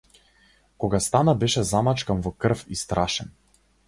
Кога стана беше замачкан во крв и страшен.